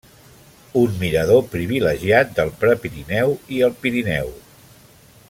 Un mirador privilegiat del Prepirineu i el Pirineu.